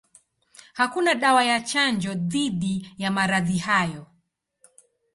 Hakuna dawa ya chanjo dhidi ya maradhi hayo.